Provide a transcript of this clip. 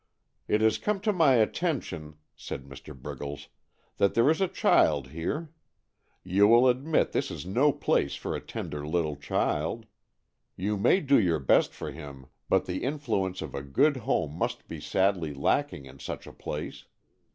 "It has come to my attention," said Mr. Briggles, "that there is a child here. You will admit this is no place for a tender little child. You may do your best for him but the influence of a good home must be sadly lacking in such a place.